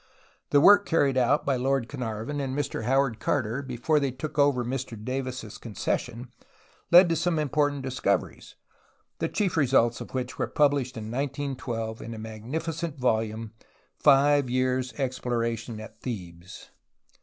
The work carried out by Lord Carnarvon and JMr Howard Carter before they took over Mr Davis's concession led to some important discoveries, the chief results of which were published in 1912, in a magnificent volume Five Years' ExpIo?'atio?i at Thebes.